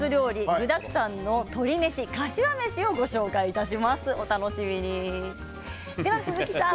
具だくさんの鶏飯かしわめしをご紹介いたします。